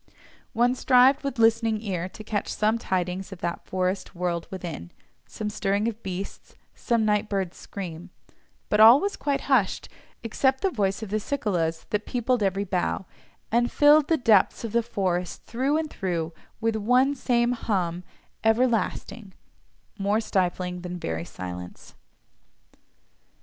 One strived with listening ear to catch some tidings of that forest world within—some stirring of beasts, some night bird's scream, but all was quite hushed, except the voice of the cicalas that peopled every bough, and filled the depths of the forest through and through, with one same hum everlasting—more stifling than very silence.